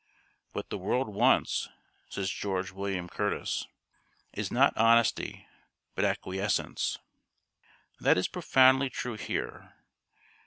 'What the world wants,' says George William Curtis, 'is not honesty, but acquiescence.' That is profoundly true here.